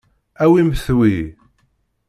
Awimt wi.